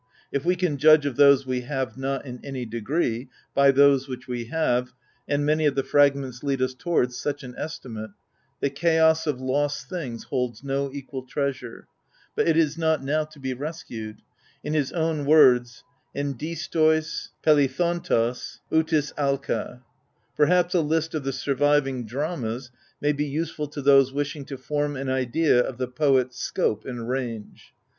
If we can judge of those we have not, in any degree, by those which we have, — and many of the fragments lead us towards such an estimate, — the chaos of lost things holds no equal treasure : but it is not now to be rescued ; in his own words iif dArrois reXiBovTOS crffrtj dXjcd. Perhaps a list of the surviving dramas may be useful to those wishing to form an idea of the poet's scope and range.